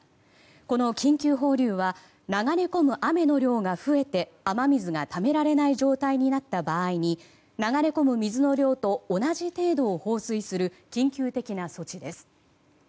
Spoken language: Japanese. この緊急放流は流れ込む雨の量が増えて雨水がためられない状態になった場合に流れ込む水の量と同じ程度を放水する緊急的な措置です。